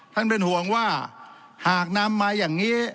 ท่านเป็นห่วงว่าหากนำมาอย่างนี้